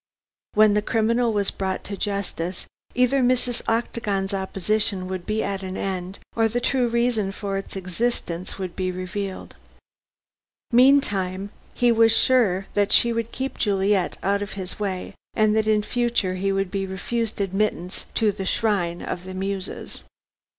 When the criminal was brought to justice, either Mrs. Octagon's opposition would be at an end, or the true reason for its existence would be revealed. Meantime, he was sure that she would keep Juliet out of his way, and that in future he would be refused admittance to the "Shrine of the Muses."